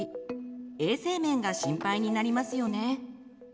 衛生面が心配になりますよね。